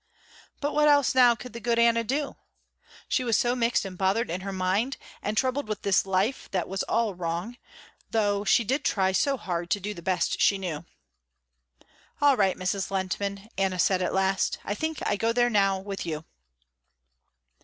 But what else now could the good Anna do? She was so mixed and bothered in her mind, and troubled with this life that was all wrong, though she did try so hard to do the best she knew. "All right, Mrs. Lehntman," Anna said at last, "I think I go there now with you."